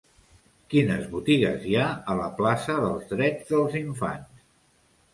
Quines botigues hi ha a la plaça dels Drets dels Infants?